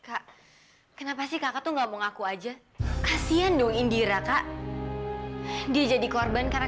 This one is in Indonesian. kak kenapa sih kakak tuh gak mau ngaku aja kasian dong indira kak dia jadi korban karena